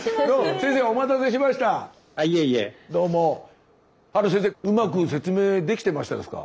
先生うまく説明できてましたですか？